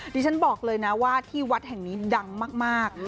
ดิฉันบอกเลยนะว่าที่วัดแห่งนี้ดังมาก